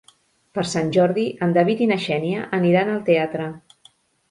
Per Sant Jordi en David i na Xènia aniran al teatre.